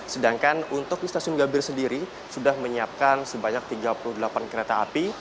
sedangkan untuk di stasiun gambir sendiri sudah menyiapkan sebanyak tiga puluh delapan kereta api